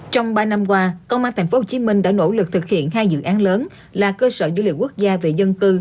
trong ba năm qua công an tp hcm đã nỗ lực thực hiện hai dự án lớn là cơ sở dữ liệu quốc gia về dân cư